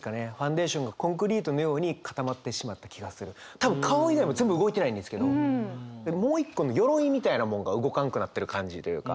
多分顔以外も全部動いてないんですけどもう一個の鎧みたいなものが動かんくなってる感じというか。